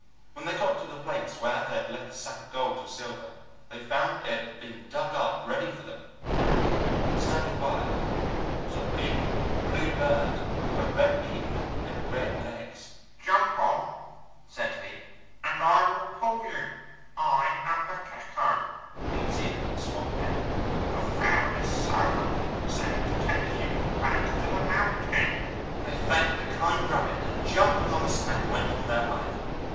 When they got to the place where they had left the sack of gold and silver they found it had been dug up ready for them, and standing by it was a big blue bird with a red beak and red legs. "Jump on," said he, "and I will pull you; I am Pukeko,[A] the fairies' servant, sent to take you back to the mountain." [Footnote A: New Zealand Swamp hen.] They thanked the kind rabbit, and jumping on the sack went on their way.